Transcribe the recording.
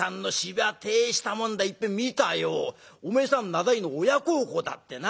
名代の親孝行だってな。